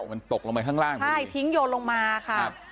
มันตกลงไปข้างล่างใช่ทิ้งโยนลงมาค่ะ